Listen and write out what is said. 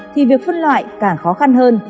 thì việc phân loại càng khó khăn hơn